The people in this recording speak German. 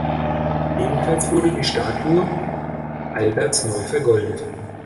Ebenfalls wurde die Statue Alberts neu vergoldet.